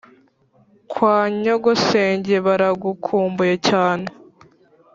kwa nyogosenge baragukumbuye cyane